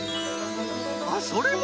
あっそれも！